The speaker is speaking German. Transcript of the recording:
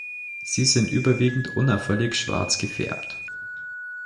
Sie sind überwiegend unauffällig schwarz gefärbt.